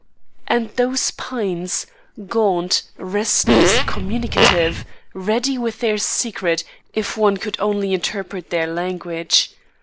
And those pines gaunt, restless, communicative! ready with their secret, if one could only interpret their language.